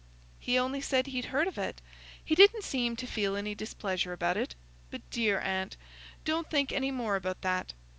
"He only said he'd heard of it; he didn't seem to feel any displeasure about it. But, dear aunt, don't think any more about that.